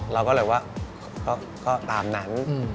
เราก็เลยว่าก็ตามนั้น